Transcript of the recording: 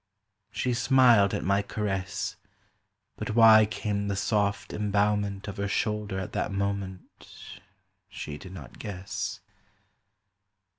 She smiled at my caress, But why came the soft embowment Of her shoulder at that moment She did not guess.